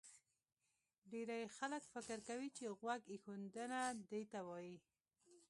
ډېری خلک فکر کوي چې غوږ ایښودنه دې ته وایي